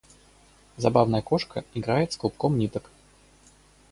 Забавная кошка играет с клубком ниток.